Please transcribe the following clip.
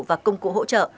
và công cụ hỗ trợ